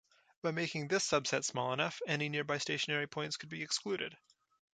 By making this subset small enough, any nearby stationary points could be excluded.